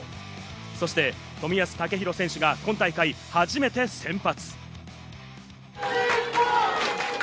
そして冨安健洋選手が今大会初めて先発。